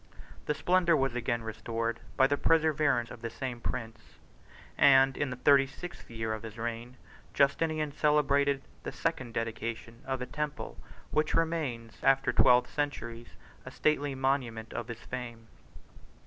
Its splendor was again restored by the perseverance of the same prince; and in the thirty sixth year of his reign, Justinian celebrated the second dedication of a temple which remains, after twelve centuries, a stately monument of his fame.